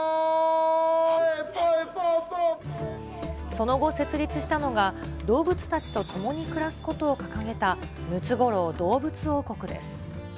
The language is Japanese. その後設立したのが、動物たちと共に暮らすことを掲げた、ムツゴロウ動物王国です。